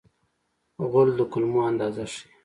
غول د کولمو اندازه ښيي.